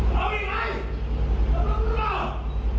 ข้าวไอ้ใครลูกค้าสิทธิ์กล้าลง